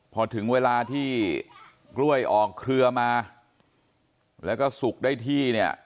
พอถึงเวลาที่กล้วยออกเครือมาแล้วก็สุกได้ที่เนี่ย